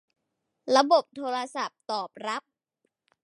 ระบบโทรศัพท์ตอบรับ